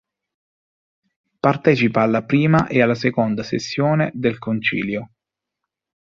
Partecipa alla prima e alla seconda sessione del Concilio.